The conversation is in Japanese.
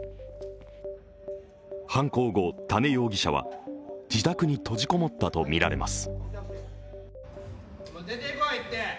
犯行後、多禰容疑者は自宅に閉じこもったとみられます。